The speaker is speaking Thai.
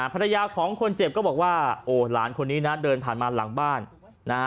ภรรยาของคนเจ็บก็บอกว่าโอ้หลานคนนี้นะเดินผ่านมาหลังบ้านนะฮะ